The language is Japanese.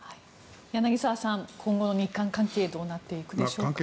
柳澤さん、今後の日韓関係どうなっていくでしょうか。